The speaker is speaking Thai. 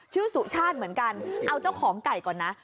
สุชาติเหมือนกันเอาเจ้าของไก่ก่อนนะ